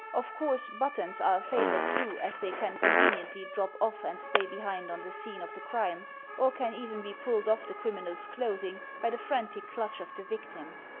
Of course but tons are a favorite clue as they can conveniently drop off and stay behind on the scene of the crime; or can even be pulled off the criminal's clothing by the frantic clutch of the victim.